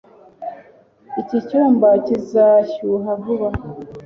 Iki cyumba kizashyuha vuba